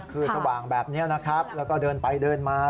คือสว่างแบบนี้นะครับแล้วก็เดินไปเดินมา